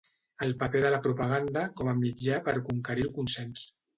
El paper de la propaganda com a mitjà per conquerir el consens.